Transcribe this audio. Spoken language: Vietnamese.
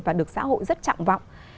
và được xã hội rất trọng vọng